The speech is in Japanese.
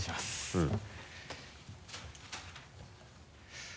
うん。